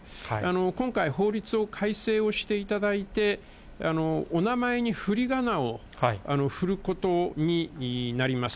今回、法律を改正をしていただいて、お名前にふりがなを振ることになります。